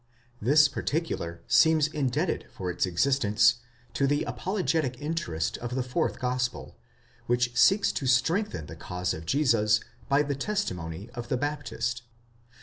This particular seems indebted for its existence to the apologetic interest of the fourth gospel, which seeks to strengthen the cause of Jesus by the testimony of the Baptist.